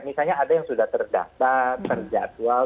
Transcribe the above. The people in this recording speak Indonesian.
misalnya ada yang sudah terdaftar terjadwal